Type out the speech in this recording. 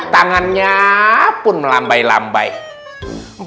tangannya pun melambai lambai tangannya pun melambai lambai